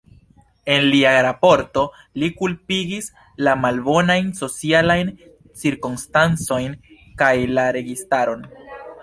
En lia raporto, li kulpigis la malbonajn socialajn cirkonstancojn kaj la registaron.